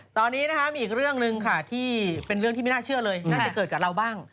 ตอนนี้นะคะมีอีกเรื่องหนึ่งค่ะที่เป็นเรื่องที่ไม่น่าเชื่อเลยน่าจะเกิดกับเราบ้าง